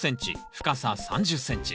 深さ３０ｃｍ。